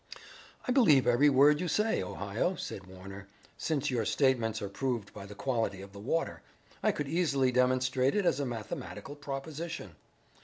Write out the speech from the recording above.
"I believe every word you say, Ohio," said Warner, "since your statements are proved by the quality of the water. I could easily demonstrate it as a mathematical proposition."